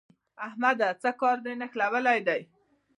احمده! څه کار دې نښلولی دی؟